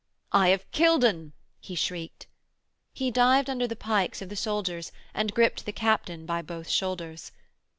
'I have killed 'un,' he shrieked. He dived under the pikes of the soldiers and gripped the captain by both shoulders.